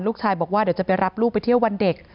ลูกชายบอกว่าเดี๋ยวจะไปรับลูกไปเที่ยววันเด็ก